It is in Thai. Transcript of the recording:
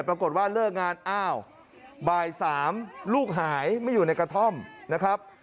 ปรากฏว่าเลิกงานอ้าวบ่าย๓ลูกหายไม่อยู่ในกระท่อมนะครับ